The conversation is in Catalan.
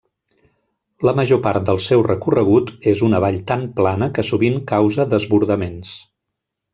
La major part del seu recorregut és una vall tan plana que sovint causa desbordaments.